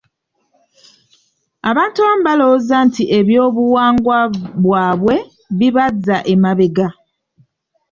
Abantu abamu balowooza nti eby'obuwangwa bwabwe bibazza emabega.